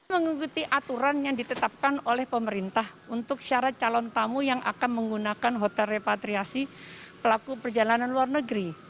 mengikuti aturan yang ditetapkan oleh pemerintah untuk syarat calon tamu yang akan menggunakan hotel repatriasi pelaku perjalanan luar negeri